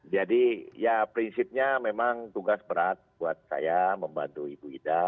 jadi ya prinsipnya memang tugas berat buat saya membantu ibu ida